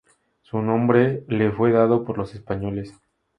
Su nombre le fue dado por los españoles.